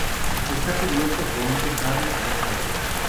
Está cubierto por un tejado a dos aguas.